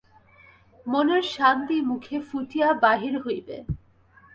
মনের শান্তি মুখে ফুটিয়া বাহির হইবে।